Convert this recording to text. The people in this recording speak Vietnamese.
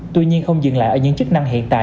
tuy nhiên không dừng lại ở những chức năng hiện tại